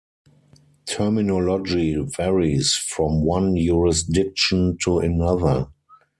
Terminology varies from one jurisdiction to another.